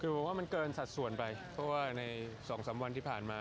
ว่ามันเกินสัดส่วนไปเพราะว่าในสองสามวันที่ผ่านมา